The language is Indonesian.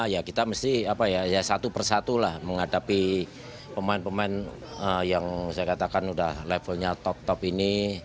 ya kita mesti apa ya satu persatu lah menghadapi pemain pemain yang saya katakan sudah levelnya top top ini